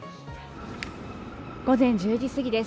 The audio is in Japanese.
午前１０時すぎです。